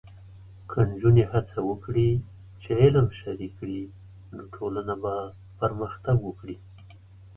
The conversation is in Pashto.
نجونې هڅه وکړي چې علم شریک کړي، نو ټولنه پرمختګ کوي.